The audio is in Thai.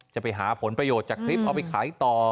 จะไปหาผลประโยชน์จากคลิปเอาไปขายต่อ